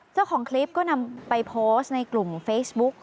เจ้าของคลิปก็นำไปโพสต์ในกลุ่มเฟซบุ๊ก